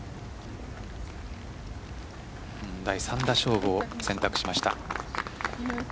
第３打勝負を選択しました。